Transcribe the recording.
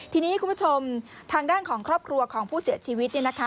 ทีนี้คุณผู้ชมทางด้านของครอบครัวของผู้เสียชีวิตเนี่ยนะคะ